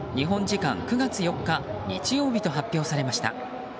時間９月４日、日曜日と発表されました。